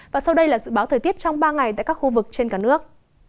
và sau đây là dự báo thời tiết trong ba ngày tại các khu vực trên cả nước